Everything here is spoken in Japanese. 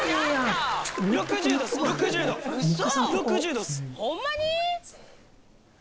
６０℃っす！